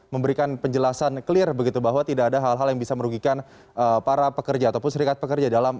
memberikan penjelasan clear begitu bahwa tidak ada hal hal yang bisa merugikan para pekerja ataupun serikat pekerja dalam